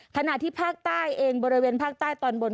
ขณะที่ภาคใต้เองบริเวณภาคใต้ตอนบน